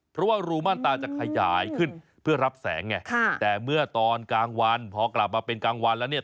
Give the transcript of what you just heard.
เพราะว่ารูมั่นตาจะขยายขึ้นเพื่อรับแสงไงแต่เมื่อตอนกลางวันพอกลับมาเป็นกลางวันแล้วเนี่ย